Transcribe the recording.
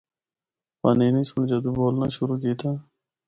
پانینی سنڑ جدوں بولنا شروع کیتا۔